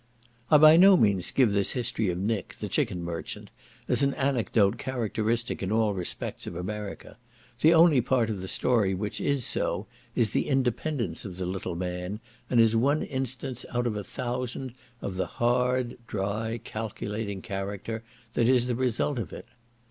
I by no means give this history of Nick, the chicken merchant, as an anecdote characteristic in all respects of America; the only part of the story which is so, is the independence of the little man, and is one instance out of a thousand, of the hard, dry, calculating character that is the result of it.